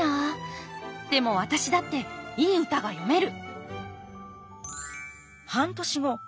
でも私だっていい歌が詠める。